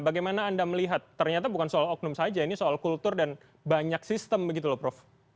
bagaimana anda melihat ternyata bukan soal oknum saja ini soal kultur dan banyak sistem begitu loh prof